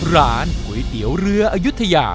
ร้านก๋วยเตี๋ยวเรืออายุทยา